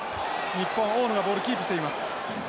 日本は大野がボールキープしています。